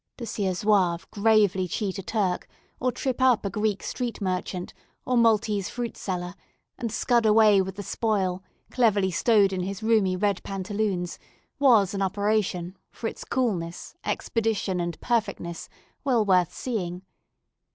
To see a Zouave gravely cheat a Turk, or trip up a Greek street merchant, or Maltese fruit seller, and scud away with the spoil, cleverly stowed in his roomy red pantaloons, was an operation, for its coolness, expedition, and perfectness, well worth seeing.